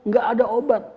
gak ada obat